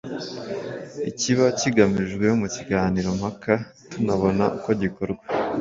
ikiba kigamijwe mu kiganiro mpaka tunabona uko gikorwa.